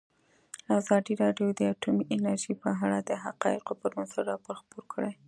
ازادي راډیو د اټومي انرژي په اړه د حقایقو پر بنسټ راپور خپور کړی.